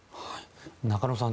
中野さん